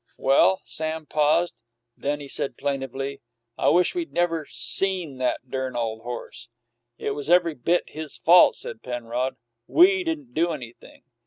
"Well " Sam paused; then he said plaintively, "I wish we'd never seen that dern ole horse." "It was every bit his fault," said Penrod. "We didn't do anything.